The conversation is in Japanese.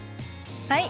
はい。